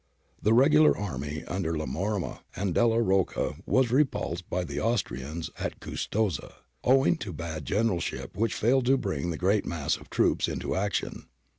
The regular army under La Marmora and Delia Rocca was repulsed by the Austrians at Custozza, owing to bad generalship which failed to bring the great mass of the troops into action.